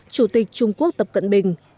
chủ tịch trung quốc tập cận bình